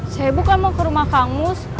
saya bukan mau ke rumah kang bus